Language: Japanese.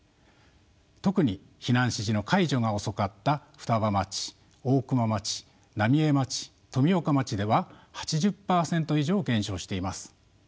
特に避難指示の解除が遅かった双葉町大熊町浪江町富岡町では８０％以上減少しています。